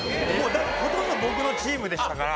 ほとんど僕のチームでしたから。